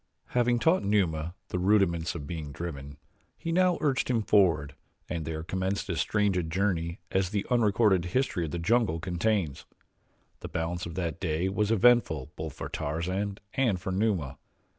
Having taught Numa the rudiments of being driven, he now urged him forward and there commenced as strange a journey as the unrecorded history of the jungle contains. The balance of that day was eventful both for Tarzan and for Numa.